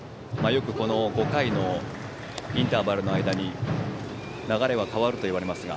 よく５回のインターバルの間に流れは変わるといわれますが。